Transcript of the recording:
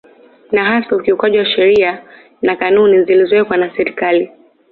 Na hasa ukiukwaji wa sheria na kanuni zilizowekwa na Serikali